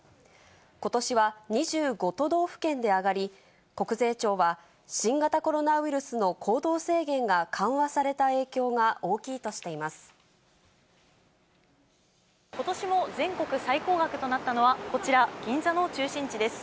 ことしは２５都道府県で上がり、国税庁は新型コロナウイルスの行動制限が緩和された影響が大きいことしも全国最高額となったのは、こちら、銀座の中心地です。